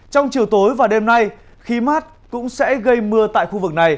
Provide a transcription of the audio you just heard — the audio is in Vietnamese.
trong chiều tối và đêm nay khí mát cũng sẽ gây mưa tại khu vực này